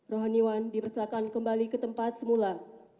rohaniwan diresahkan kembali ke tempat semula